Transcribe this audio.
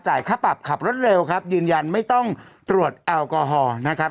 ค่าปรับขับรถเร็วครับยืนยันไม่ต้องตรวจแอลกอฮอล์นะครับ